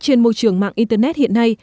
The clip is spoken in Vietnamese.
trên môi trường mạng internet hiện nay